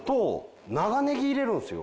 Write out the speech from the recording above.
長ネギ入れるんですよ。